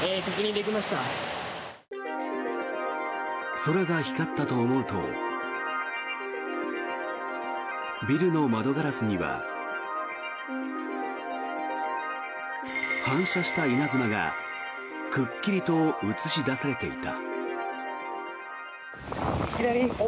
空が光ったと思うとビルの窓ガラスには反射した稲妻がくっきりと映し出されていた。